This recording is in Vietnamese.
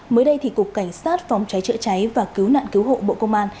mới đây thì cục cảnh sát phóng cháy chữa cháy và cứu nạn cứu hộ bộ công an